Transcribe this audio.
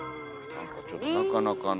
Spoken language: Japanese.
何かちょっとなかなかの。